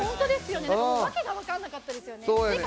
わけが分からなかったですよね。